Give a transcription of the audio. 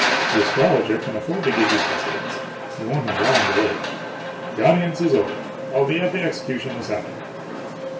The astrologer can afford to give you prece dence. He won't have Ion" to wait. The audience is over. I '11 be o at the executions this afternoon."